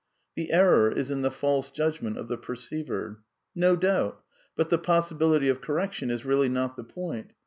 The error is in the false judgment of the perceiver. No doubt; but the possibility of correction is really not the point.